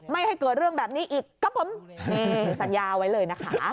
ไม่ให้เกิดเรื่องแบบนี้อีกก็ผมสัญญาไว้เลยนะคะ